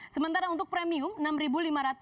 sementara untuk premium rp enam lima ratus